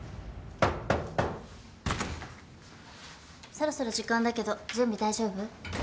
そろそろ時間だけど準備大丈夫？